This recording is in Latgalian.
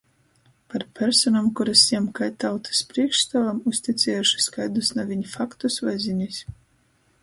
Par personom, kurys jam kai tautys prīškstuovam uzticiejušys kaidus naviņ faktus voi zinis;